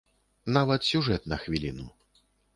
Нават сюжэт на хвіліну.